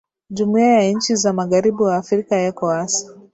jumuiya ya nchi za magharibi wa afrika ecowas